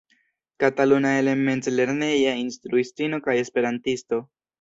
Kataluna element-lerneja instruistino kaj esperantisto.